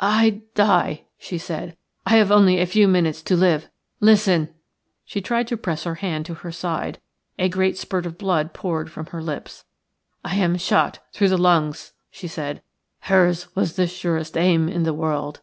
"I die," she said; "I have only a few minutes to live. Listen!" She tried to press her hand to her side; a great spurt of blood poured from her lips. "I am shot through the lungs," she said. "Hers was the surest aim in the world.